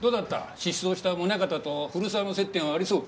失踪した宗形と古沢の接点はありそうか？